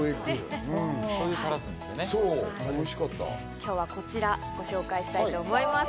今日はこちらをご紹介したいと思います。